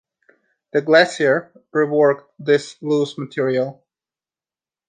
The glacier reworked this loose material.